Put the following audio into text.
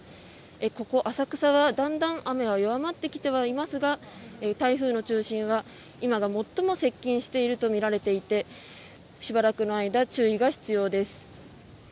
ここ浅草はだんだん雨は弱まってきてはいますが台風の中心は今が最も接近しているとみられていてしばらくの間、注意が必要です。